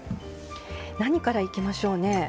何からいきましょうね。